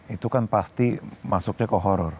itu kan pasti masuknya ke horror